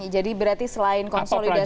jadi berarti selain konsolidasi